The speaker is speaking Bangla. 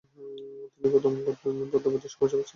তিনি গৌতম বুদ্ধের সমসাময়িক ছিলেন।